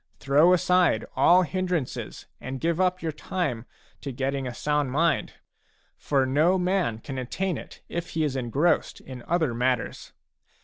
Throw aside all hindrances and give up your time to getting a sound mind ; for no man can attain it if he is engrossed in other matters.